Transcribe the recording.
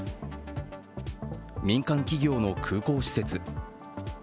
民間企業の空港施設。